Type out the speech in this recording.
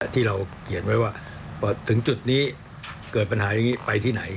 ที่เราเขียนไว้ว่าถึงจุดนี้เกิดปัญหาอย่างนี้ไปที่ไหน